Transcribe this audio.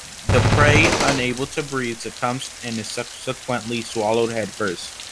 The prey, unable to breathe, succumbs and is subsequently swallowed head first.